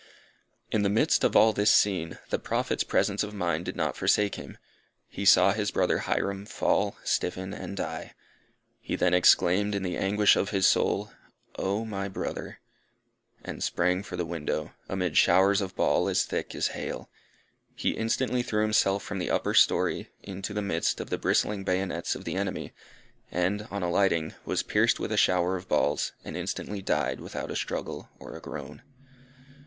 In the midst of all this scene, the Prophet's presence of mind did not forsake him. He saw his brother Hyrum fall, stiffen and die. He then exclaimed, in the anguish of his soul "O my brother!" and sprang for the window, amid showers of ball as thick as hail. He instantly threw himself from the upper story into the midst of the bristling bayonets of the enemy, and, on alighting, was pierced with a shower of balls, and instantly died without a struggle or a groan.